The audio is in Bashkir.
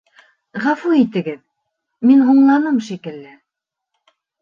Ғәфү итегеҙ, мин һуңланым шикелле